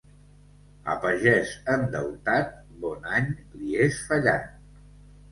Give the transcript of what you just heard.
A pagès endeutat, bon any li és fallat.